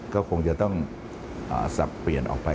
ก็คงจะต้องสับเปลี่ยนออกไป